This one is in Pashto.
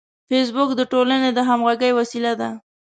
فېسبوک د ټولنې د همغږۍ وسیله ده